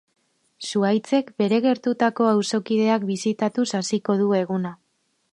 Zuhaitzek bere gertuko auzokideak bisitatuz hasiko du eguna.